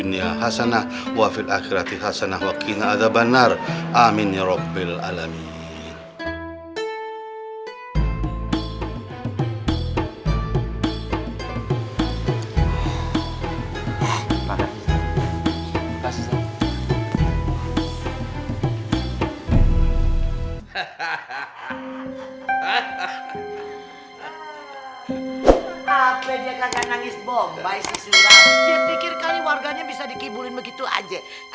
mbak sisyura dipikirkan warganya bisa dikibulin begitu aja